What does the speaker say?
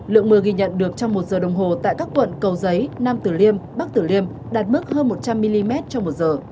lượng mưa ghi nhận được trong một giờ đồng hồ tại các quận cầu giấy nam tử liêm bắc tử liêm đạt mức hơn một trăm linh mm trong một giờ